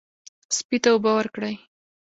سپي ته اوبه ورکړئ.